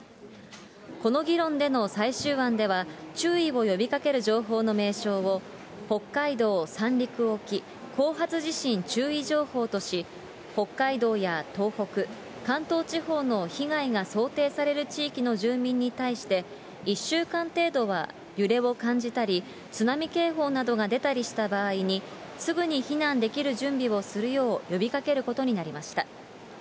この議論での最終案では、注意を呼びかける情報の名称を、北海道・三陸沖後発地震注意情報とし、北海道や東北、関東地方の被害が想定される地域の住民に対して、１週間程度は揺れを感じたり、津波警報などが出たりした場合に、すぐに避難できる準備をするよう呼びかけることになりました。